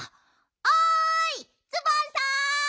おいツバンさん。